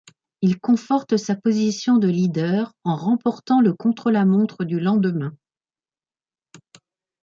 Il conforte sa position de leader, en remportant le contre-la-montre du lendemain.